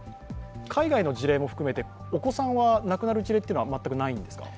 海外の事例も含めてお子さんは全く亡くなる方はいないんでしょうか？